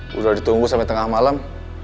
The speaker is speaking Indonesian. sudah ditunggu sampai tengah malam